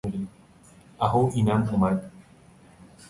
عه اینم اومد